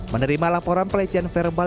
menerima laporan pelecehan verbal